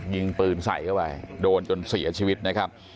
ยิงปืนใส่เข้าไปโดนจนเสียชีวิตนะครับ